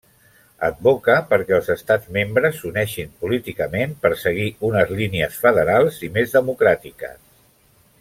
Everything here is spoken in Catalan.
Advoca perquè els estats membres s'uneixin políticament per seguir unes línies federals i més democràtiques.